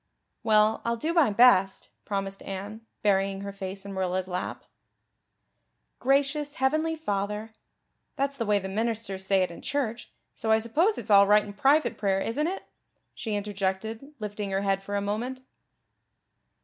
"Well, I'll do my best," promised Anne, burying her face in Marilla's lap. "Gracious heavenly Father that's the way the ministers say it in church, so I suppose it's all right in private prayer, isn't it?" she interjected, lifting her head for a moment.